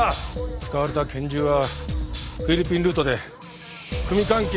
使われた拳銃はフィリピンルートで組関係に出回ってるやつだ。